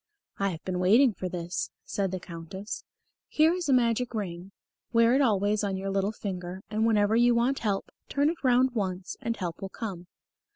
"I have been waiting for this," said the Countess. "Here is a magic ring. Wear it always on your little finger, and whenever you want help, turn it round once and help will come."